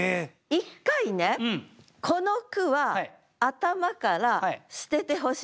一回ねこの句は頭から捨ててほしいんです。